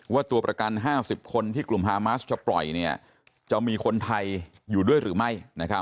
ว่าตัวประกัน๕๐คนที่กลุ่มฮามาสจะปล่อยจะมีคนไทยอยู่ด้วยหรือไม่